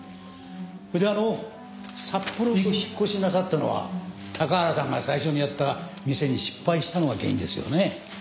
それであの札幌にお引っ越しなさったのは高原さんが最初にやった店に失敗したのが原因ですよね？